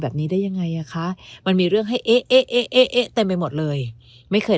แบบนี้ได้ยังไงอ่ะคะมันมีเรื่องให้เอ๊ะเอ๊ะเต็มไปหมดเลยไม่เคย